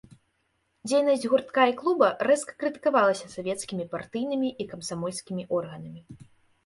Дзейнасць гуртка і клуба рэзка крытыкавалася савецкімі партыйнымі і камсамольскімі органамі.